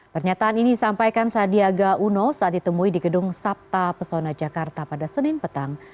pernyataan ini disampaikan sandiaga uno saat ditemui di gedung sabta pesona jakarta pada senin petang